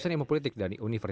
ya pasti dong mbak